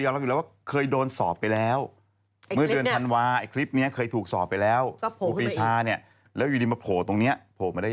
เขาก็สามารถแก้ต่างของเขาได้